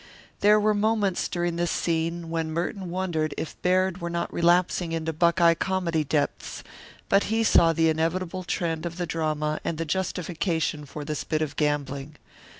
There were moments during this scene when Merton wondered if Baird were not relapsing into Buckeye comedy depths, but he saw the inevitable trend of the drama and the justification for this bit of gambling.